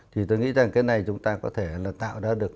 thì tôi nghĩ rằng cái này chúng ta có thể là tạo ra được